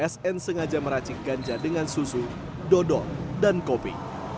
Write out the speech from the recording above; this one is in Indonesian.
sn sengaja meracik ganja dengan susu dodol dan kopi